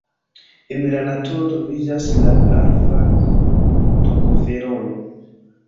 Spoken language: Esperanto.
En la naturo troviĝas la alfa-tokoferolo.